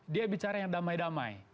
dia bicara yang damai damai